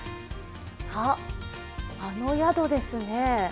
あ、あの宿ですね。